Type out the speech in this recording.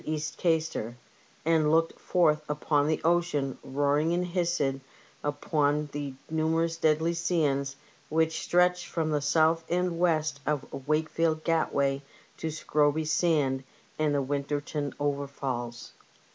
East Gaistor, and looked forth upon the ocean roaring and hissing upon the numerous deadly sands which stretch from the south and west of Wakefield Gatway to Scroby Sand and the Winterton Overfalls.